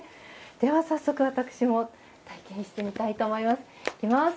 では早速私も体験してみたいと思います。